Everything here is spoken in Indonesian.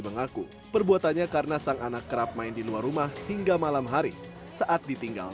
mengaku perbuatannya karena sang anak kerap main di luar rumah hingga malam hari saat ditinggal